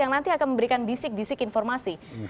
yang nanti akan memberikan bisik bisik informasi